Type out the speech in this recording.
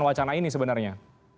wacana ini sebenarnya